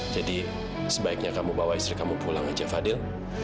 jadi sebaiknya kamu bawa istri kamu pulang aja fadil